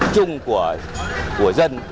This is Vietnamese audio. chung của dân